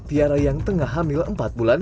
tiara yang tengah hamil empat bulan